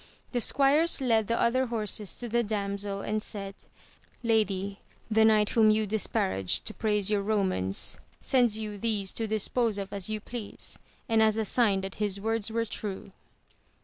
The squires led the other horses to the damsel and said, Lady, the knight whom you disparaged to praise your Romans sends you these to dispose of as you please, and as a sign that his words were true.